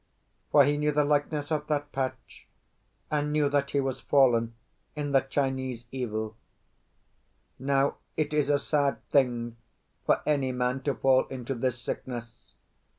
For he knew the likeness of that patch, and knew that he was fallen in the Chinese Evil. Now, it is a sad thing for any man to fall into this sickness.